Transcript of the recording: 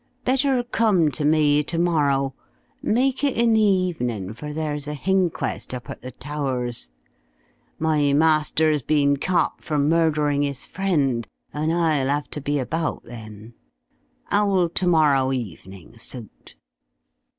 Better come to me to morrow. Make it in the evening for there's a h'inquest up at the Towers. My master's been copped for murderin' his friend, and I'll 'ave to be about, then. Ow'll to morrow evening suit?"